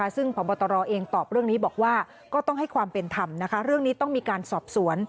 ซึ่งพบตรเองตอบเรื่องนี้บอกว่าก็ต้องให้ความเป็นธรรมเรื่องนี้ต้องมีการสอบสวน